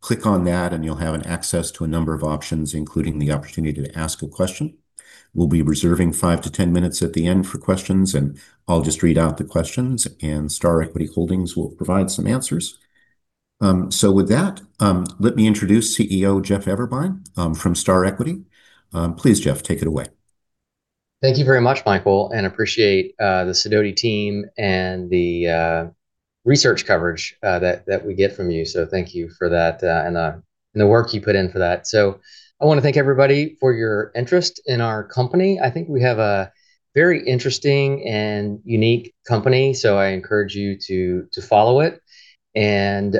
Click on that, and you'll have access to a number of options, including the opportunity to ask a question. We'll be reserving 5 to 10 minutes at the end for questions, and I'll just read out the questions, and Star Equity Holdings will provide some answers. So, with that, let me introduce CEO Jeff Eberwein from Star Equity. Please, Jeff, take it away. Thank you very much, Michael, and I appreciate the Sidoti team and the research coverage that we get from you. So, thank you for that and the work you put in for that. So, I want to thank everybody for your interest in our company. I think we have a very interesting and unique company, so I encourage you to follow it and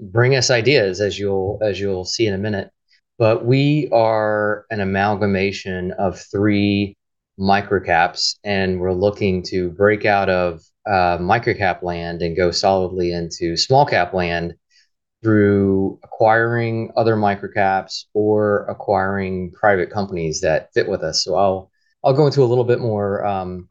bring us ideas, as you'll see in a minute. But we are an amalgamation of three microcaps, and we're looking to break out of microcap land and go solidly into small-cap land through acquiring other microcaps or acquiring private companies that fit with us. So I'll go into a little bit more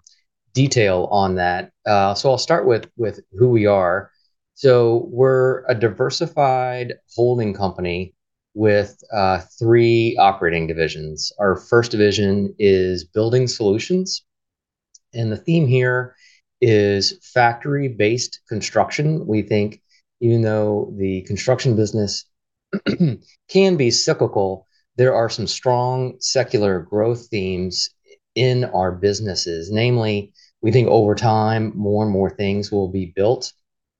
detail on that. So I'll start with who we are. So we're a diversified holding company with three operating divisions. Our first division is Building Solutions, and the theme here is factory-based construction. We think, even though the construction business can be cyclical, there are some strong secular growth themes in our businesses. Namely, we think over time, more and more things will be built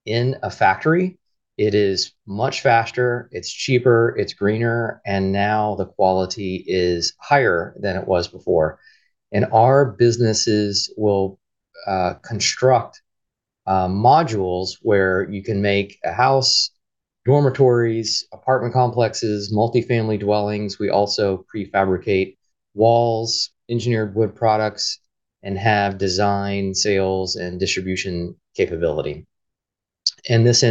in a factory. It is much faster, it's cheaper, it's greener, and now the quality is higher than it was before. And our businesses will construct modules where you can make a house, dormitories, apartment complexes, multifamily dwellings. We also prefabricate walls, engineered wood products, and have design, sales, and distribution capability. And this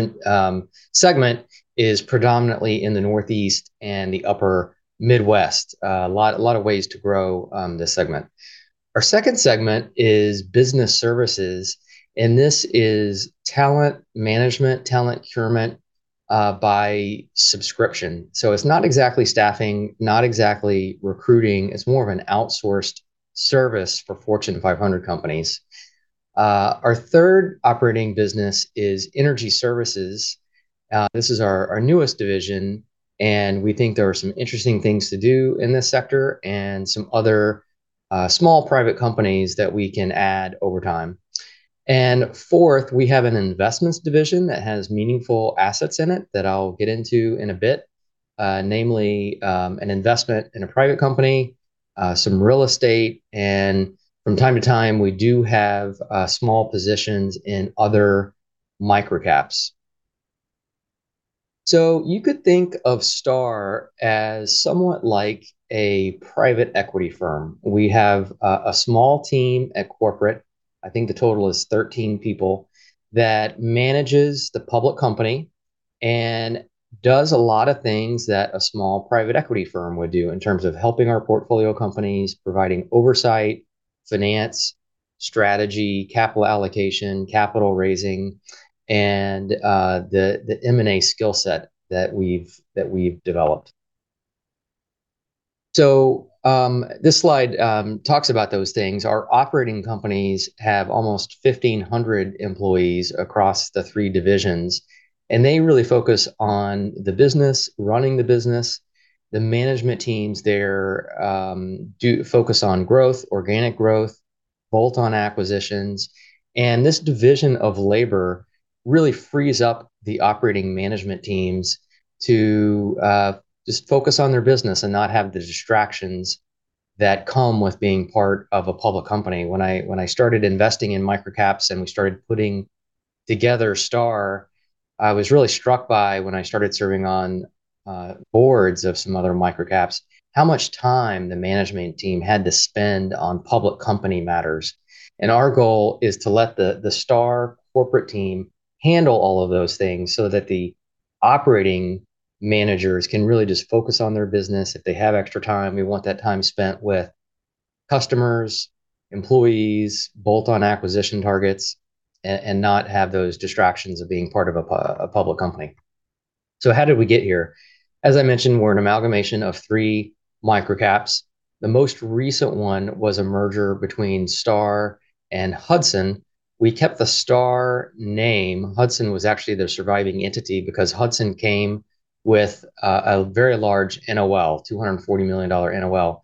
segment is predominantly in the Northeast and the Upper Midwest, a lot of ways to grow this segment. Our second segment is Business Services, and this is talent management, talent procurement by subscription. So it's not exactly staffing, not exactly recruiting. It's more of an outsourced service for Fortune 500 companies. Our third operating business is Energy Services. This is our newest division, and we think there are some interesting things to do in this sector and some other small private companies that we can add over time. And fourth, we have an Investments Division that has meaningful assets in it that I'll get into in a bit, namely an investment in a private company, some real estate, and from time to time, we do have small positions in other microcaps. So you could think of Star as somewhat like a private equity firm. We have a small team at corporate. I think the total is 13 people that manages the public company and does a lot of things that a small private equity firm would do in terms of helping our portfolio companies, providing oversight, finance, strategy, capital allocation, capital raising, and the M&A skill set that we've developed. So this slide talks about those things. Our operating companies have almost 1,500 employees across the three divisions, and they really focus on the business, running the business. The management teams there focus on growth, organic growth, bolt-on acquisitions, and this division of labor really frees up the operating management teams to just focus on their business and not have the distractions that come with being part of a public company. When I started investing in microcaps and we started putting together Star, I was really struck by when I started serving on boards of some other microcaps how much time the management team had to spend on public company matters, and our goal is to let the Star corporate team handle all of those things so that the operating managers can really just focus on their business. If they have extra time, we want that time spent with customers, employees, bolt-on acquisition targets, and not have those distractions of being part of a public company. So how did we get here? As I mentioned, we're an amalgamation of three microcaps. The most recent one was a merger between Star and Hudson. We kept the Star name. Hudson was actually the surviving entity because Hudson came with a very large NOL, $240 million NOL.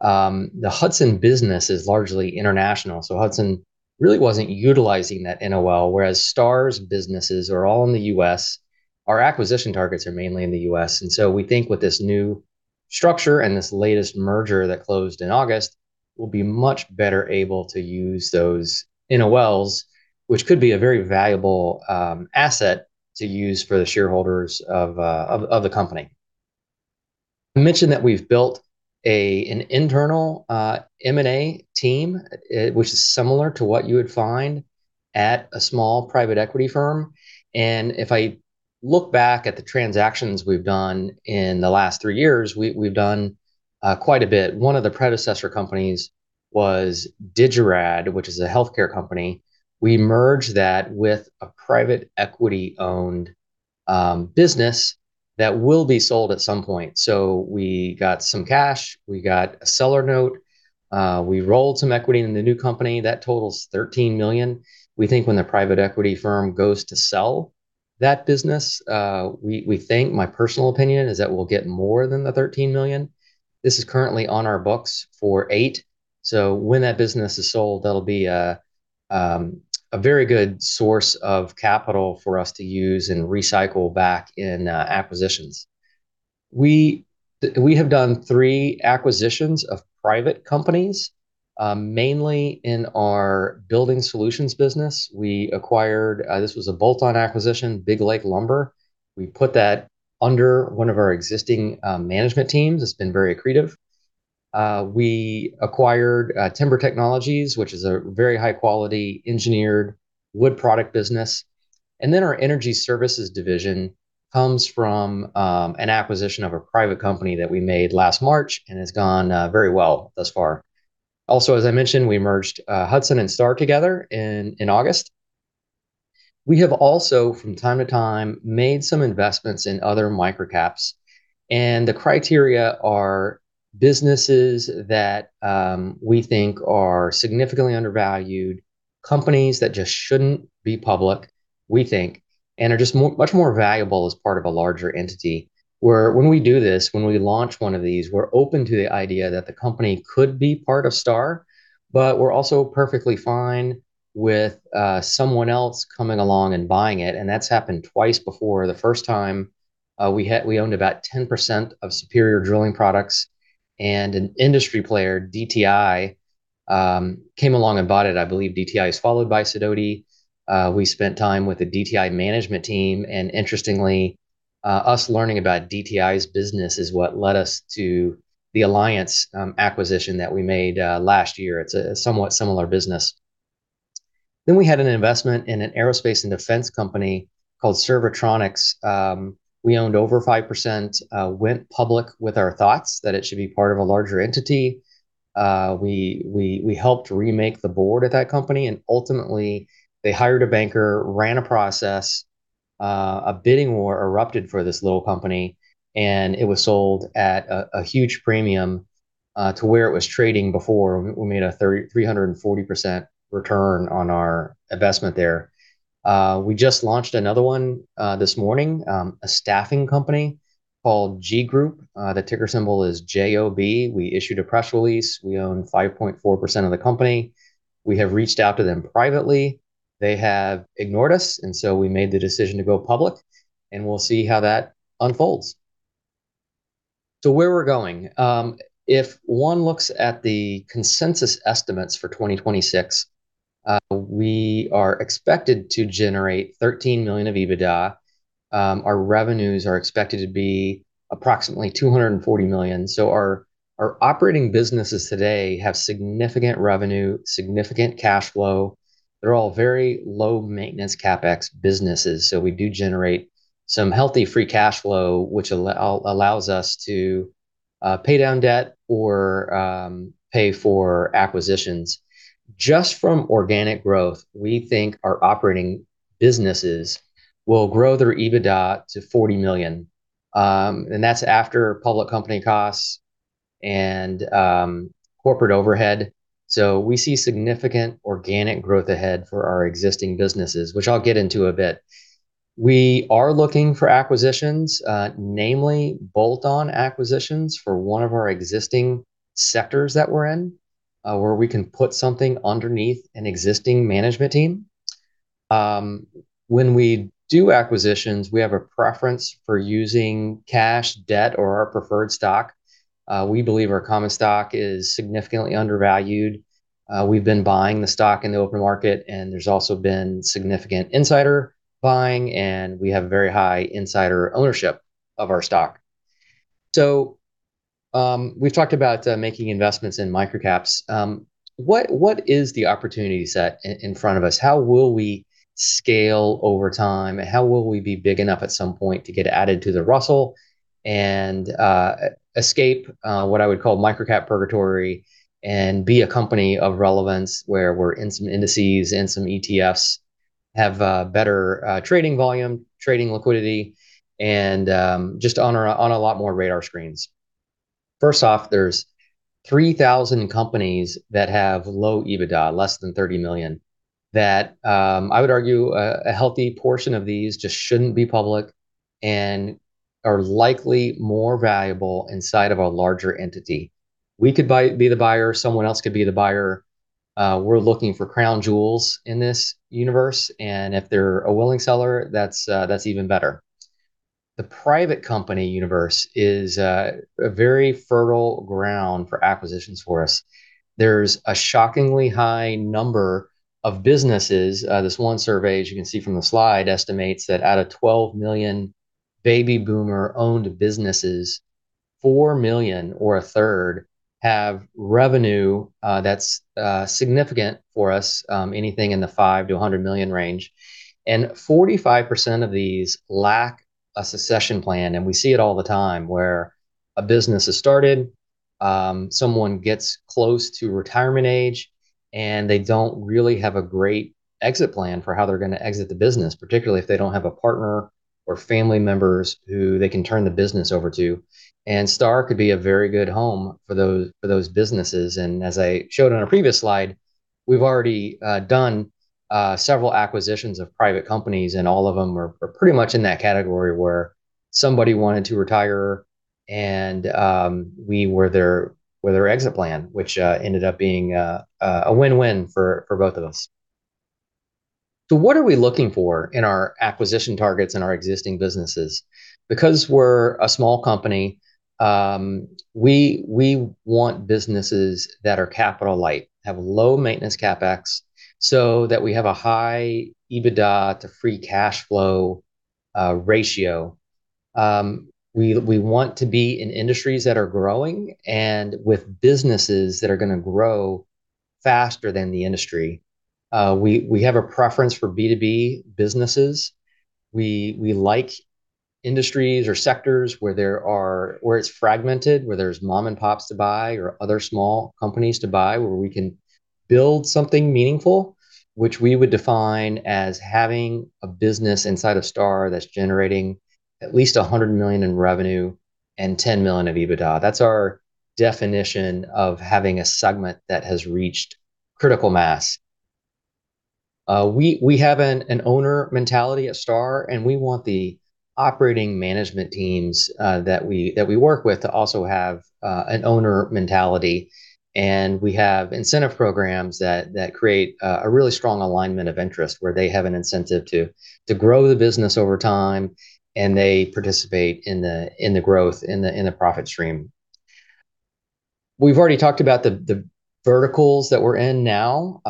The Hudson business is largely international, so Hudson really wasn't utilizing that NOL, whereas Star's businesses are all in the U.S. Our acquisition targets are mainly in the U.S. And so we think with this new structure and this latest merger that closed in August, we'll be much better able to use those NOLs, which could be a very valuable asset to use for the shareholders of the company. I mentioned that we've built an internal M&A team, which is similar to what you would find at a small private equity firm. And if I look back at the transactions we've done in the last three years, we've done quite a bit. One of the predecessor companies was Digirad, which is a healthcare company. We merged that with a private equity-owned business that will be sold at some point. So we got some cash. We got a seller note. We rolled some equity in the new company. That totals $13 million. We think when the private equity firm goes to sell that business, we think, my personal opinion, is that we'll get more than the $13 million. This is currently on our books for $8 million. So when that business is sold, that'll be a very good source of capital for us to use and recycle back in acquisitions. We have done three acquisitions of private companies, mainly in our Building Solutions business. This was a bolt-on acquisition, Big Lake Lumber. We put that under one of our existing management teams. It's been very accretive. We acquired Timber Technologies, which is a very high-quality engineered wood product business, and then our Energy Services division comes from an acquisition of a private company that we made last March and has gone very well thus far. Also, as I mentioned, we merged Hudson and Star together in August. We have also, from time to time, made some investments in other microcaps, and the criteria are businesses that we think are significantly undervalued, companies that just shouldn't be public, we think, and are just much more valuable as part of a larger entity. Where, when we do this, when we launch one of these, we're open to the idea that the company could be part of Star, but we're also perfectly fine with someone else coming along and buying it, and that's happened twice before. The first time, we owned about 10% of Superior Drilling Products, and an industry player, DTI, came along and bought it. I believe DTI is followed by Sidoti. We spent time with the DTI management team, and interestingly, us learning about DTI's business is what led us to the Alliance acquisition that we made last year. It's a somewhat similar business, then we had an investment in an aerospace and defense company called Servotronics. We owned over 5%, went public with our thoughts that it should be part of a larger entity. We helped remake the board at that company. Ultimately, they hired a banker, ran a process. A bidding war erupted for this little company, and it was sold at a huge premium to where it was trading before. We made a 340% return on our investment there. We just launched another one this morning, a staffing company called GEE Group. The ticker symbol is JOB. We issued a press release. We own 5.4% of the company. We have reached out to them privately. They have ignored us, and so we made the decision to go public, and we'll see how that unfolds. Where we're going, if one looks at the consensus estimates for 2026, we are expected to generate 13 million of EBITDA. Our revenues are expected to be approximately $240 million. Our operating businesses today have significant revenue, significant cash flow. They're all very low maintenance CapEx businesses. We do generate some healthy free cash flow, which allows us to pay down debt or pay for acquisitions. Just from organic growth, we think our operating businesses will grow their EBITDA to $40 million. And that's after public company costs and corporate overhead. We see significant organic growth ahead for our existing businesses, which I'll get into a bit. We are looking for acquisitions, namely bolt-on acquisitions for one of our existing sectors that we're in, where we can put something underneath an existing management team. When we do acquisitions, we have a preference for using cash, debt, or our preferred stock. We believe our common stock is significantly undervalued. We've been buying the stock in the open market, and there's also been significant insider buying, and we have very high insider ownership of our stock. We've talked about making investments in microcaps. What is the opportunity set in front of us? How will we scale over time? How will we be big enough at some point to get added to the Russell and escape what I would call microcap purgatory and be a company of relevance where we're in some indices and some ETFs have better trading volume, trading liquidity, and just on a lot more radar screens? First off, there's 3,000 companies that have low EBITDA, less than 30 million, that I would argue a healthy portion of these just shouldn't be public and are likely more valuable inside of a larger entity. We could be the buyer. Someone else could be the buyer. We're looking for crown jewels in this universe. And if they're a willing seller, that's even better. The private company universe is a very fertile ground for acquisitions for us. There's a shockingly high number of businesses. This one survey, as you can see from the slide, estimates that out of 12 million baby boomer-owned businesses, 4 million or a third have revenue that's significant for us, anything in the $5-100 million range. And 45% of these lack a succession plan. And we see it all the time where a business is started, someone gets close to retirement age, and they don't really have a great exit plan for how they're going to exit the business, particularly if they don't have a partner or family members who they can turn the business over to. And Star could be a very good home for those businesses. As I showed on a previous slide, we've already done several acquisitions of private companies, and all of them are pretty much in that category where somebody wanted to retire, and we were their exit plan, which ended up being a win-win for both of us. What are we looking for in our acquisition targets and our existing businesses? Because we're a small company, we want businesses that are capital-light, have low maintenance CapEx so that we have a high EBITDA to free cash flow ratio. We want to be in industries that are growing and with businesses that are going to grow faster than the industry. We have a preference for B2B businesses. We like industries or sectors where it's fragmented, where there's mom-and-pops to buy or other small companies to buy where we can build something meaningful, which we would define as having a business inside of Star that's generating at least 100 million in revenue and 10 million of EBITDA. That's our definition of having a segment that has reached critical mass. We have an owner mentality at Star, and we want the operating management teams that we work with to also have an owner mentality. And we have incentive programs that create a really strong alignment of interest where they have an incentive to grow the business over time, and they participate in the growth, in the profit stream. We've already talked about the verticals that we're in now: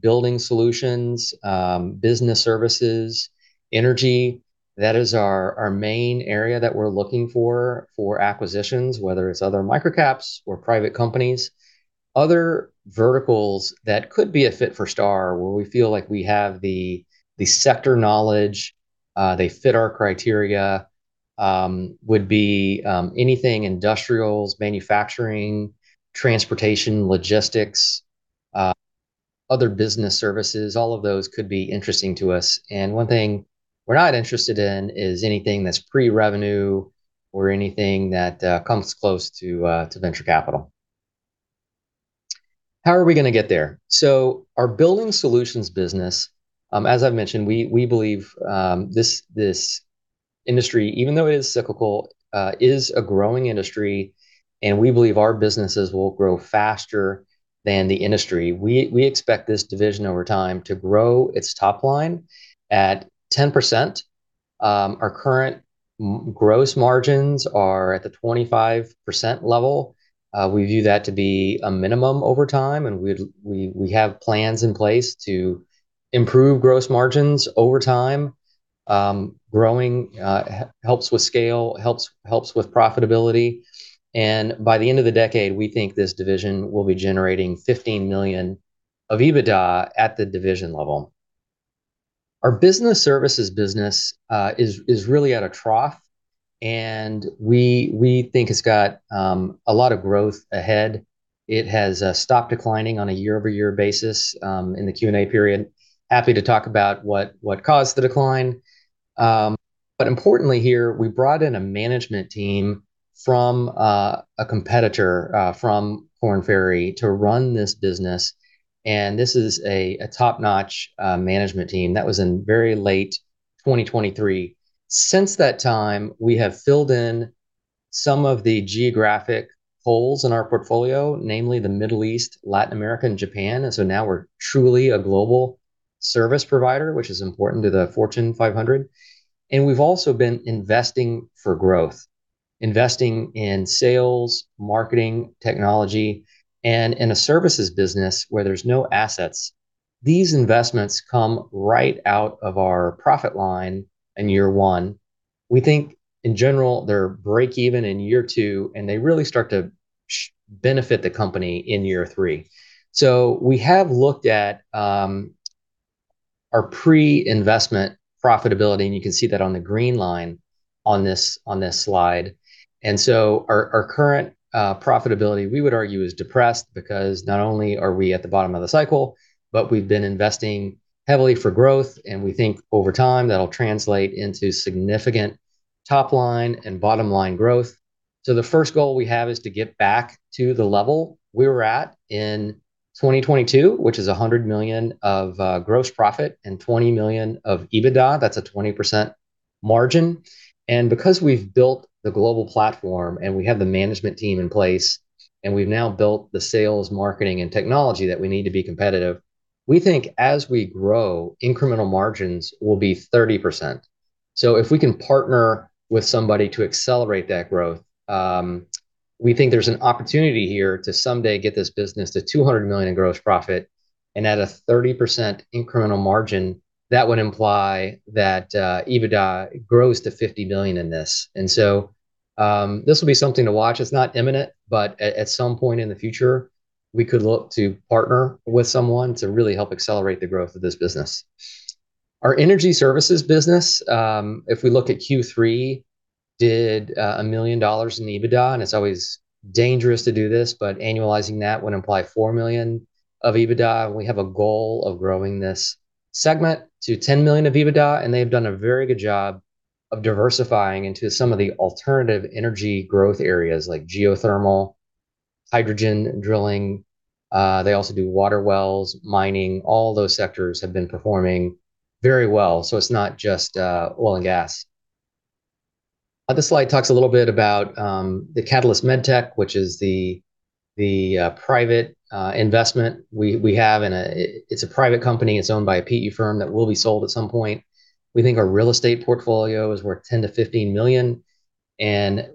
building solutions, business services, energy. That is our main area that we're looking for acquisitions, whether it's other microcaps or private companies. Other verticals that could be a fit for Star where we feel like we have the sector knowledge, they fit our criteria, would be anything industrials, manufacturing, transportation, logistics, other business services. All of those could be interesting to us. And one thing we're not interested in is anything that's pre-revenue or anything that comes close to venture capital. How are we going to get there? So our Building Solutions business, as I've mentioned, we believe this industry, even though it is cyclical, is a growing industry, and we believe our businesses will grow faster than the industry. We expect this division over time to grow its top line at 10%. Our current gross margins are at the 25% level. We view that to be a minimum over time, and we have plans in place to improve gross margins over time. Growing helps with scale, helps with profitability. And by the end of the decade, we think this division will be generating $15 million of EBITDA at the division level. Our business services business is really at a trough, and we think it's got a lot of growth ahead. It has stopped declining on a year-over-year basis in the Q&A period. Happy to talk about what caused the decline. But importantly here, we brought in a management team from a competitor from Korn Ferry to run this business. And this is a top-notch management team that was in very late 2023. Since that time, we have filled in some of the geographic holes in our portfolio, namely the Middle East, Latin America, and Japan. And so now we're truly a global service provider, which is important to the Fortune 500. And we've also been investing for growth, investing in sales, marketing, technology, and in a services business where there's no assets. These investments come right out of our profit line in year one. We think, in general, they're break-even in year two, and they really start to benefit the company in year three. So we have looked at our pre-investment profitability, and you can see that on the green line on this slide. And so our current profitability, we would argue, is depressed because not only are we at the bottom of the cycle, but we've been investing heavily for growth, and we think over time that'll translate into significant top-line and bottom-line growth. The first goal we have is to get back to the level we were at in 2022, which is $100 million of gross profit and $20 million of EBITDA. That's a 20% margin. And because we've built the global platform and we have the management team in place, and we've now built the sales, marketing, and technology that we need to be competitive, we think as we grow, incremental margins will be 30%. So if we can partner with somebody to accelerate that growth, we think there's an opportunity here to someday get this business to $200 million in gross profit. And at a 30% incremental margin, that would imply that EBITDA grows to $50 million in this. And so this will be something to watch. It's not imminent, but at some point in the future, we could look to partner with someone to really help accelerate the growth of this business. Our energy services business, if we look at Q3, did $1 million in EBITDA, and it's always dangerous to do this, but annualizing that would imply $4 million of EBITDA. We have a goal of growing this segment to $10 million of EBITDA, and they have done a very good job of diversifying into some of the alternative energy growth areas like geothermal, hydrogen drilling. They also do water wells, mining. All those sectors have been performing very well. So it's not just oil and gas. This slide talks a little bit about the Catalyst MedTech, which is the private investment we have, and it's a private company. It's owned by a PE firm that will be sold at some point. We think our real estate portfolio is worth $10-$15 million, and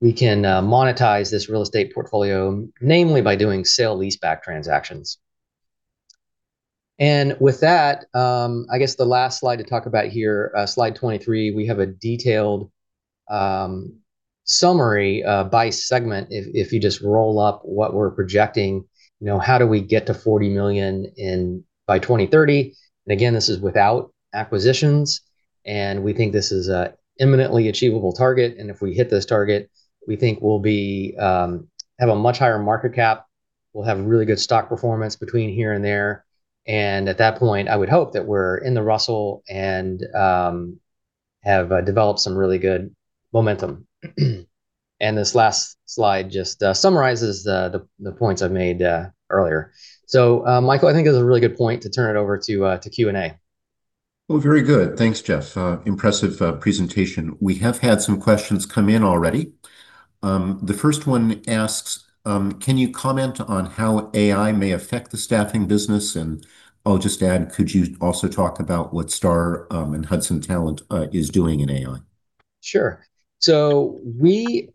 we can monetize this real estate portfolio, namely by doing sale-leaseback transactions. And with that, I guess the last slide to talk about here, slide 23, we have a detailed summary by segment. If you just roll up what we're projecting, how do we get to $40 million by 2030? And again, this is without acquisitions, and we think this is an imminently achievable target. And if we hit this target, we think we'll have a much higher market cap. We'll have really good stock performance between here and there. And at that point, I would hope that we're in the Russell and have developed some really good momentum. And this last slide just summarizes the points I've made earlier. So, Michael, I think it's a really good point to turn it over to Q&A. Very good. Thanks, Jeff. Impressive presentation. We have had some questions come in already. The first one asks, can you comment on how AI may affect the staffing business? And I'll just add, could you also talk about what Star and Hudson Talent is doing in AI? Sure. We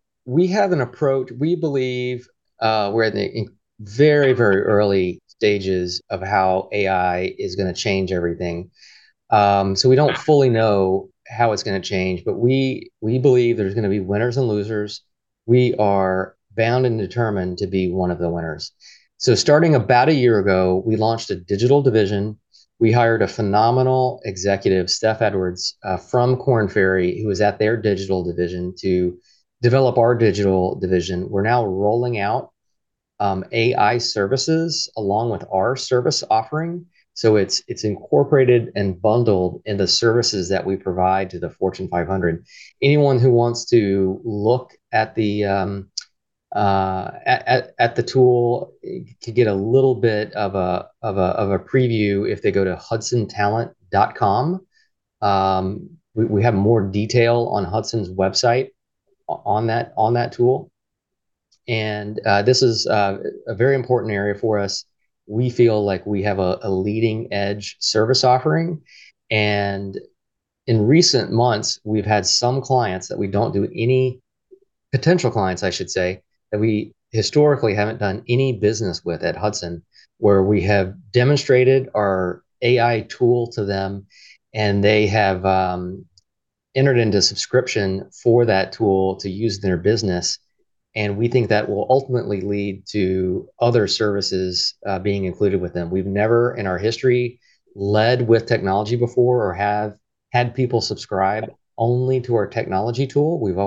have an approach. We believe we're in the very, very early stages of how AI is going to change everything. We don't fully know how it's going to change, but we believe there's going to be winners and losers. We are bound and determined to be one of the winners. Starting about a year ago, we launched a digital division. We hired a phenomenal executive, Steph Edwards, from Korn Ferry, who was at their digital division to develop our digital division. We're now rolling out AI services along with our service offering. So, it's incorporated and bundled in the services that we provide to the Fortune 500. Anyone who wants to look at the tool to get a little bit of a preview, if they go to hudsontalent.com, we have more detail on Hudson's website on that tool. And this is a very important area for us. We feel like we have a leading-edge service offering. And in recent months, we've had some clients that we don't do any potential clients, I should say, that we historically haven't done any business with at Hudson, where we have demonstrated our AI tool to them, and they have entered into subscription for that tool to use in their business. And we think that will ultimately lead to other services being included with them. We've never in our history led with technology before or had people subscribe only to our technology tool. We've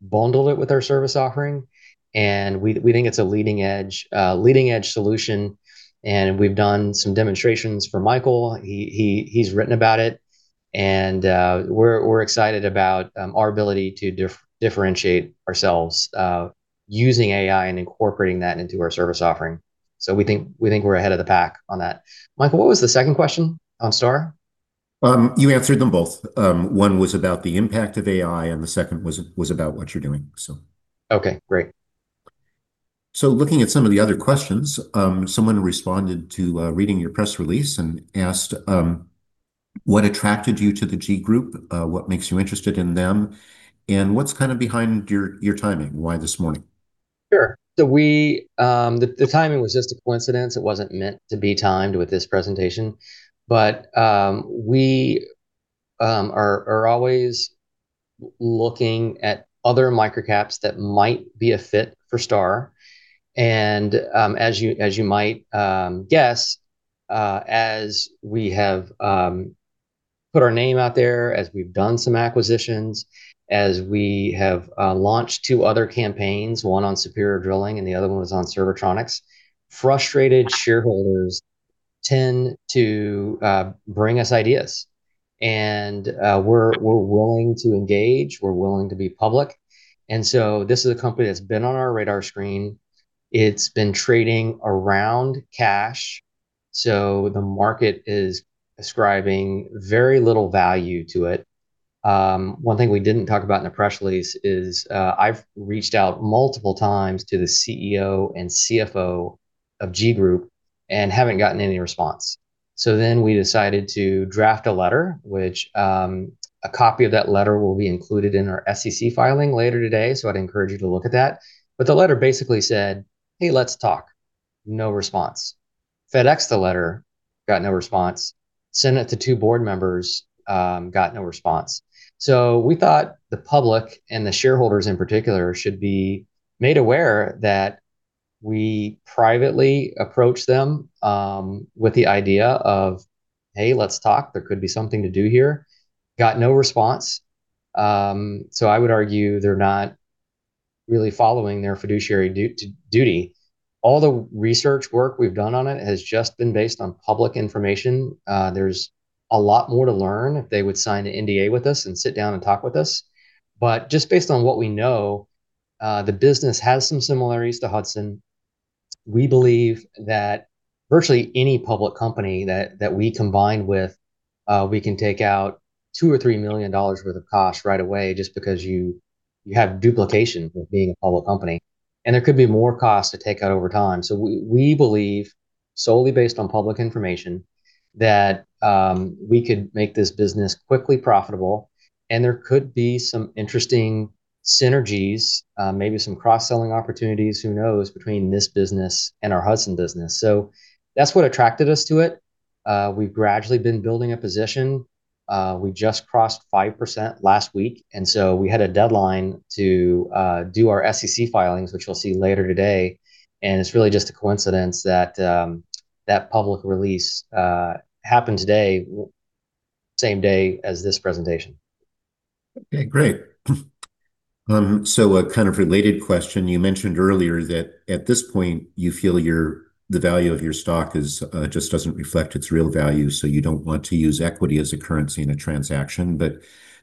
always bundled it with our service offering, and we think it's a leading-edge solution. We've done some demonstrations for Michael. He's written about it, and we're excited about our ability to differentiate ourselves using AI and incorporating that into our service offering. We think we're ahead of the pack on that. Michael, what was the second question on Star? You answered them both. One was about the impact of AI, and the second was about what you're doing, so. Okay. Great. Looking at some of the other questions, someone responded to reading your press release and asked, what attracted you to the GEE Group? What makes you interested in them? And what's kind of behind your timing? Why this morning? Sure. The timing was just a coincidence. It wasn't meant to be timed with this presentation. But we are always looking at other microcaps that might be a fit for Star. And as you might guess, as we have put our name out there, as we've done some acquisitions, as we have launched two other campaigns, one on Superior Drilling and the other one was on Servotronics, frustrated shareholders tend to bring us ideas. And we're willing to engage. We're willing to be public. And so, this is a company that's been on our radar screen. It's been trading around cash. So, the market is ascribing very little value to it. One thing we didn't talk about in the press release is I've reached out multiple times to the CEO and CFO of Gee Group and haven't gotten any response. So, then we decided to draft a letter, which a copy of that letter will be included in our SEC filing later today. So I'd encourage you to look at that. But the letter basically said, "Hey, let's talk." No response. FedEx the letter, got no response. Sent it to two board members, got no response. So we thought the public and the shareholders in particular should be made aware that we privately approached them with the idea of, "Hey, let's talk. There could be something to do here." Got no response. So I would argue they're not really following their fiduciary duty. All the research work we've done on it has just been based on public information. There's a lot more to learn if they would sign an NDA with us and sit down and talk with us. But just based on what we know, the business has some similarities to Hudson. We believe that virtually any public company that we combine with, we can take out $2 million-$3 million worth of cost right away just because you have duplication of being a public company. And there could be more costs to take out over time. So we believe, solely based on public information, that we could make this business quickly profitable, and there could be some interesting synergies, maybe some cross-selling opportunities, who knows, between this business and our Hudson business. So that's what attracted us to it. We've gradually been building a position. We just crossed 5% last week. And so we had a deadline to do our SEC filings, which you'll see later today. And it's really just a coincidence that that public release happened today, same day as this presentation. Okay. Great. So a kind of related question. You mentioned earlier that at this point, you feel the value of your stock just doesn't reflect its real value, so you don't want to use equity as a currency in a transaction. But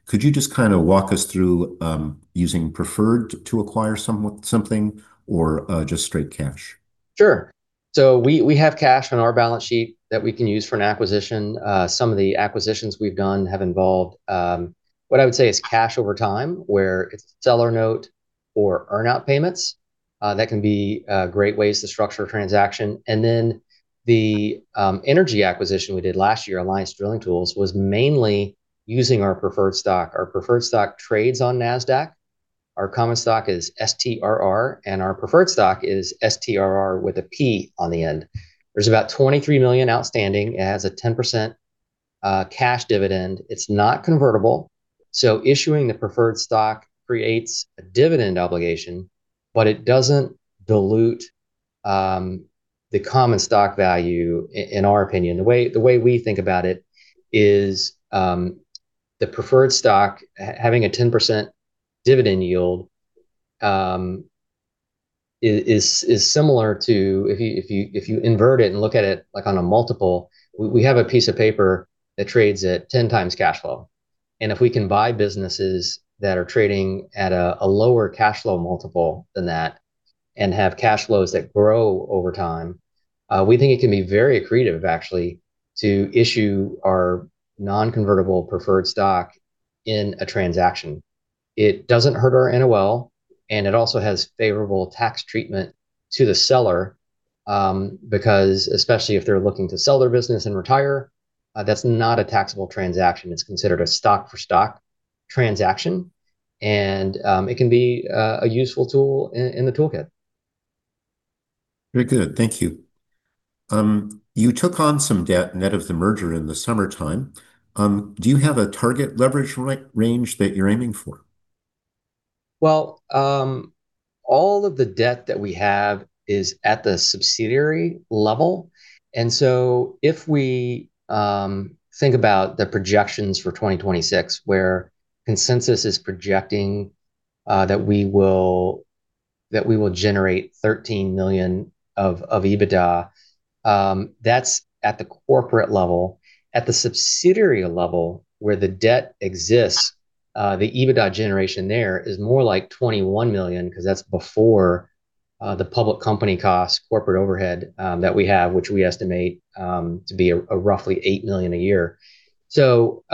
could you just kind of walk us through using preferred to acquire something or just straight cash? Sure. So we have cash on our balance sheet that we can use for an acquisition. Some of the acquisitions we've done have involved what I would say is cash over time, where it's seller note or earn-out payments. That can be great ways to structure a transaction, and then the energy acquisition we did last year, Alliance Drilling Tools, was mainly using our preferred stock. Our preferred stock trades on Nasdaq. Our common stock is STRR, and our preferred stock is STRR with a P on the end. There's about 23 million outstanding. It has a 10% cash dividend. It's not convertible, so issuing the preferred stock creates a dividend obligation, but it doesn't dilute the common stock value, in our opinion. The way we think about it is the preferred stock having a 10% dividend yield is similar to if you invert it and look at it on a multiple, we have a piece of paper that trades at 10 times cash flow, and if we can buy businesses that are trading at a lower cash flow multiple than that and have cash flows that grow over time, we think it can be very creative, actually, to issue our non-convertible preferred stock in a transaction. It doesn't hurt our NOL, and it also has favorable tax treatment to the seller because, especially if they're looking to sell their business and retire, that's not a taxable transaction. It's considered a stock-for-stock transaction, and it can be a useful tool in the toolkit. Very good. Thank you. You took on some debt net of the merger in the summertime. Do you have a target leverage range that you're aiming for? All of the debt that we have is at the subsidiary level. So if we think about the projections for 2026, where consensus is projecting that we will generate $13 million of EBITDA, that's at the corporate level. At the subsidiary level, where the debt exists, the EBITDA generation there is more like $21 million because that's before the public company cost, corporate overhead that we have, which we estimate to be roughly $8 million a year. So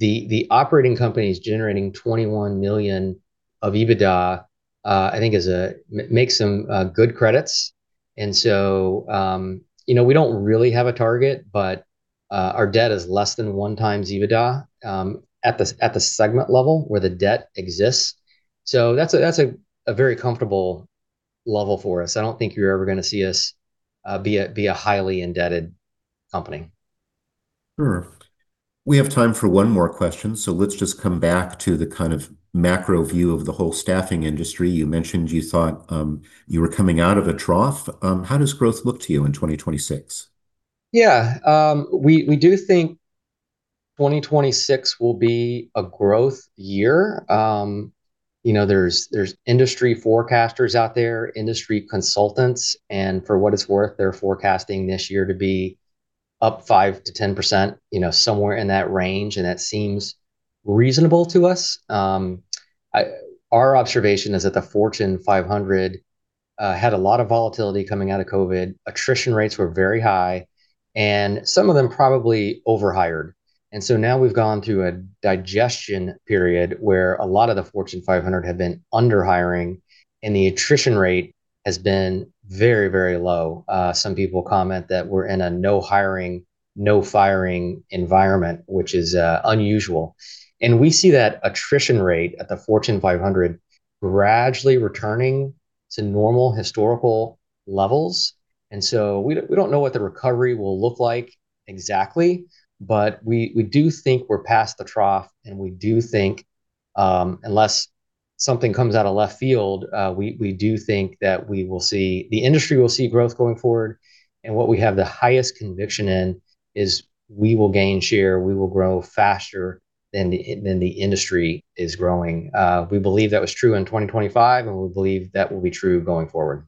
the operating company is generating $21 million of EBITDA, I think, makes some good credits. And so we don't really have a target, but our debt is less than one times EBITDA at the segment level where the debt exists. So that's a very comfortable level for us. I don't think you're ever going to see us be a highly indebted company. Sure. We have time for one more question, so let's just come back to the kind of macro view of the whole staffing industry. You mentioned you thought you were coming out of a trough. How does growth look to you in 2026? Yeah. We do think 2026 will be a growth year. There's industry forecasters out there, industry consultants, and for what it's worth, they're forecasting this year to be up 5%-10%, somewhere in that range, and that seems reasonable to us. Our observation is that the Fortune 500 had a lot of volatility coming out of COVID. Attrition rates were very high, and some of them probably overhired, and so now we've gone through a digestion period where a lot of the Fortune 500 have been underhiring, and the attrition rate has been very, very low. Some people comment that we're in a no-hiring, no-firing environment, which is unusual, and we see that attrition rate at the Fortune 500 gradually returning to normal historical levels, and so we don't know what the recovery will look like exactly, but we do think we're past the trough, and we do think, unless something comes out of left field, we do think that the industry will see growth going forward, and what we have the highest conviction in is we will gain share. We will grow faster than the industry is growing. We believe that was true in 2025, and we believe that will be true going forward.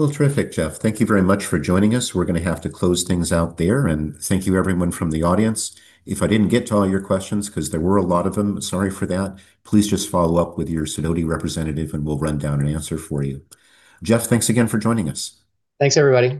Well, terrific, Jeff. Thank you very much for joining us. We're going to have to close things out there. And thank you, everyone from the audience. If I didn't get to all your questions, because there were a lot of them, sorry for that, please just follow up with your Sidoti representative, and we'll run down an answer for you. Jeff, thanks again for joining us. Thanks, everybody.